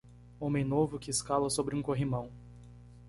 Homem novo que escala sobre um corrimão.